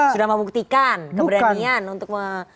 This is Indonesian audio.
sudah membuktikan keberanian untuk mendeklarasikan gitu